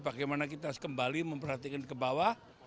bagaimana kita harus kembali memperhatikan ke bawah